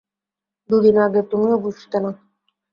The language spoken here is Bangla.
দু-দিন আগে তুমিও বুঝতে না।